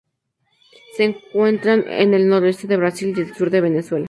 Se encuentra en el noroeste de Brasil y el sur de Venezuela.